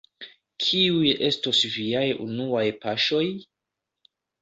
Kiuj estos viaj unuaj paŝoj?